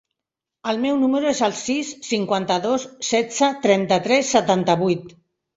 El meu número es el sis, cinquanta-dos, setze, trenta-tres, setanta-vuit.